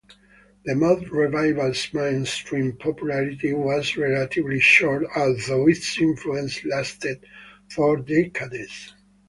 The mod revival's mainstream popularity was relatively short, although its influence lasted for decades.